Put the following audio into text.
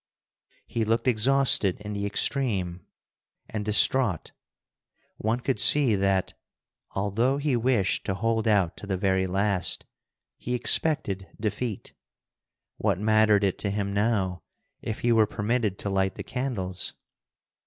He looked exhausted in the extreme, and distraught. One could see that, although he wished to hold out to the very last, he expected defeat. What mattered it to him now if he were permitted to light the candles?